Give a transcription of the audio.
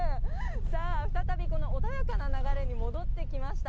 再び、穏やかな流れに戻ってきました。